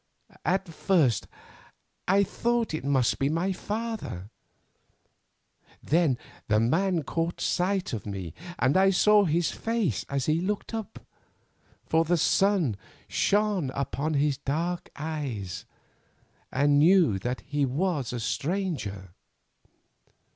At first I thought that it must be my father, then the man caught sight of me, and I saw his face as he looked up, for the sun shone upon his dark eyes, and knew that he was a stranger.